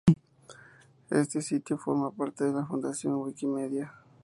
Este sitio forma parte de la fundación Wikimedia.